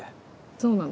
そうなの？